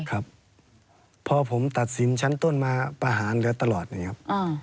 ครับเพราะผมตัดสินชั้นต้นมาประหารแล้วตลอดนะครับ